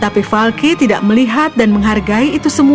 tapi falky tidak melihat dan menghargai itu semua